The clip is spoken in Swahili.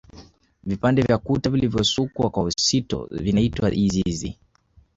Vipande vya kuta vilivyosukwa kwa sito vinaitwa izizi